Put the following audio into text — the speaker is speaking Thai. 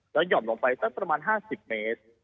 แล้วย่อมลงไปประมาณ๕๐เมตร